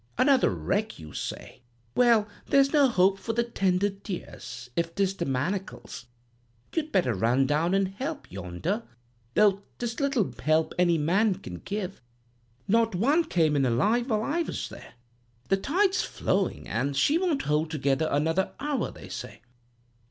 Another wreck, you say? Well, there's no hope for the tender dears, if 'tis the Manacles. You'd better run down and help yonder; though 'tis little help any man can give. Not one came in alive while I was there. The tide's flowing, an' she won't hold together another hour, they say.'